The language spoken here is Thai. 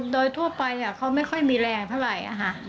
โดยทั่วไปเขาไม่ค่อยมีแรงเท่าไหร่